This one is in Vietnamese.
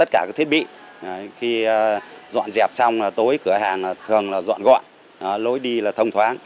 thì dọn dẹp xong là tối cửa hàng thường là dọn gọn lối đi là thông thoáng